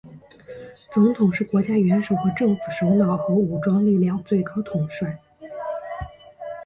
总统是国家元首和政府首脑和武装力量最高统帅。